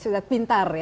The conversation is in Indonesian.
sudah pintar ya